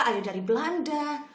ada dari belanda